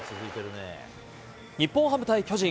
日本ハム対巨人。